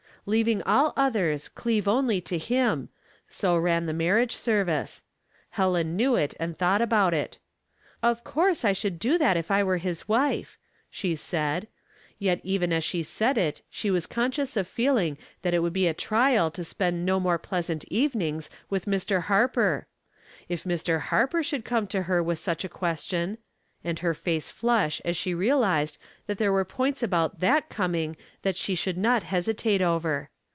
*' Leaving all others, cleave only to him." So ran the marriage service. Helen knew it and thought about it. " Of course I should do that if I were his wife," she said ; yet eyen ns she said it she was conscious of feeling that it would be a trial to spend no more pleasant evenings with Mr. Harper. If Mr. Harper should come to her with such a ques tion — and her face flushed as she realized that ihere were points about that coming that she whould not hesitate over.